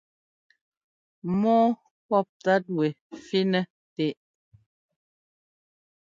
Mɔ́ɔ pɔ́p tát wɛ fí-nɛ tɛʼ.